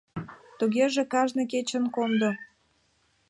— Тугеже кажне кечын кондо.